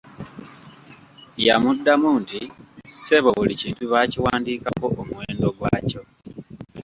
Yamuddamu nti "ssebo buli kintu baakiwandiikako omuwendo gwakyo!"